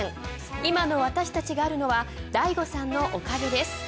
今の私たちがあるのは大悟さんのおかげです